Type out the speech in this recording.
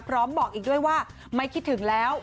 บอกอีกด้วยว่าไม่คิดถึงแล้ว